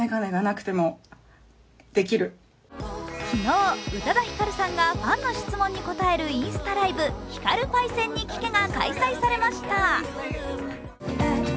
昨日、宇多田ヒカルさんがファンの質問に答えるインスタライブ、「ヒカルパイセンに聞け！」が開催されました。